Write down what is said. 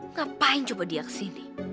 ngapain coba dia kesini